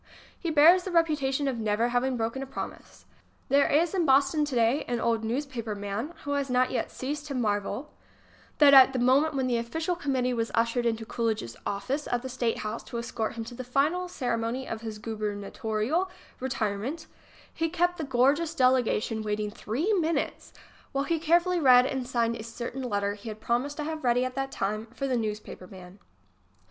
He bears the reputation of never having broken a promise. There is in Boston today an old newspaper man who has not yet ceased to marvel that at the moment when the official committee was ushered into Coolidge's office at the State House to escort him to the final ceremony of his gubernatorial retire ment, he kept the gorgeous delegation waiting three minutes while he carefully read and signed a certain letter he had promised to have ready at that time for the newspaper man.